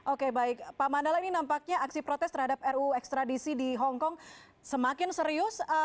oke baik pak mandala ini nampaknya aksi protes terhadap ruu ekstradisi di hongkong semakin serius